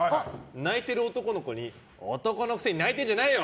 泣いてる男の子に男のくせに泣いてんじゃないよ！